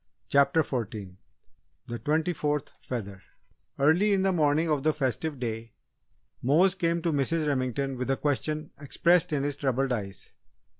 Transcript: CHAPTER FOURTEEN THE TWENTY FOURTH FEATHER Early in the morning of the festive day, Mose came to Mrs. Remington with a question expressed in his troubled eyes.